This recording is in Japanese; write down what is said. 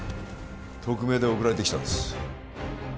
匿名で送られてきたんです